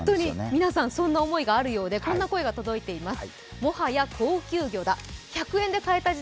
皆さん、そんな思いがあるようでこんな声が届いています。